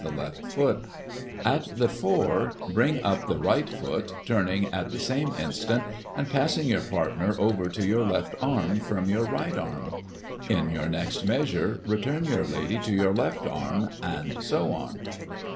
the left foot ; at the four, bring up the right foot, turning at the same instant, and passing your peirtner over to your left arm from your right arm ; in your next measure, return your lady to your left arm, and so on.